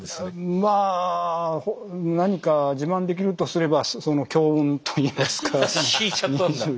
まあ何か自慢できるとすればその強運といいますか２４個。